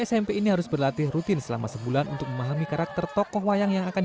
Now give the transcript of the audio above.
smp ini harus berlatih rutin selama sebulan untuk memahami karakter tokoh wayang yang akan